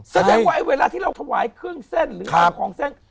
แสดงว่าเวลาที่เราถวายเครื่องเส้นหรือทำของเส้น